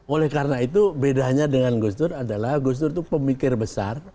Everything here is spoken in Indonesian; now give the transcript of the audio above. oleh karena itu bedanya dengan gus dur adalah gus dur itu pemikir besar